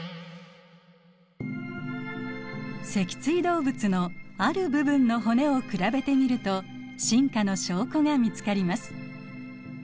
脊椎動物のある部分の骨を比べてみると進化の証拠が見つかります。